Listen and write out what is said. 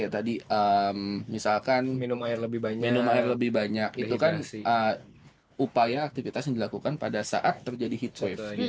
tadi misalkan minum air minum air lebih banyak itu kan upaya aktivitas yang dilakukan pada saat terjadi hitshot